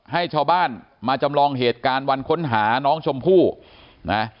ให้ชาวบ้านมาจำลองเหตุการณ์วันค้นหาน้องชมพู่นะ